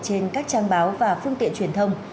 trên các trang báo và phương tiện truyền thông